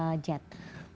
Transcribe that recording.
mungkin karena dampaknya